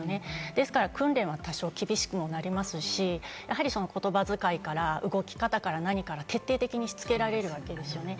ですから訓練は多少厳しくもなりますし、やはり言葉遣いから動き方から何から徹底的にしつけられるわけです。